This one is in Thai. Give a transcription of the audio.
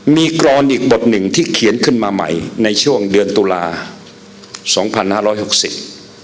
มีกรอนอีกบทหนึ่งที่เขียนขึ้นมาใหม่ในช่วงเดือนตุลาสองพันห้าร้อยหกสิบ